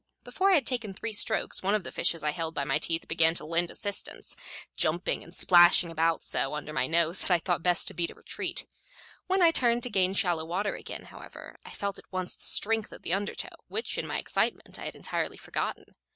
Before I had taken three strokes one of the fishes I held by my teeth began to lend assistance, jumping and splashing about so under my nose that I thought best to beat a retreat. When I turned to gain shallow water again, however, I felt at once the strength of the undertow, which in my excitement I had entirely forgotten.